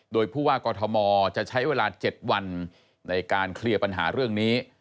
โดยผู้ว่ากอทมจะใช้เวลา๗วันในการเคลียร์ปัญหาเรื่องนี้